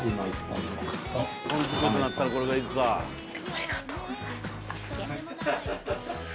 ありがとうございます。